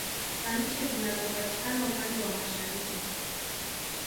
Kwa nchi zinazo patikana upande wa Mashariki